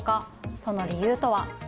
その理由とは。